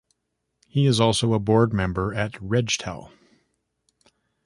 He is also a board member at Regtel.